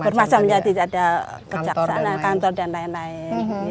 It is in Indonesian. bermacamnya tidak ada kantor dan lain lain